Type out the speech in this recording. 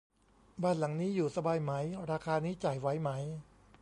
บ้านหลังนี้อยู่สบายไหม ราคานี้จ่ายไหวไหม